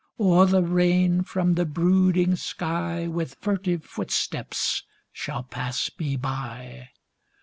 Or the rain from the brooding sky With furtive footstep shall pass me by.